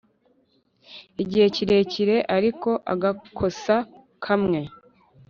igihe kirekire ariko agakosa kamwe